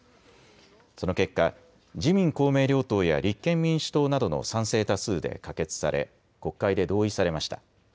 その結果、自民公明両党や立憲民主党などの賛成多数で可決され国会で同意されました。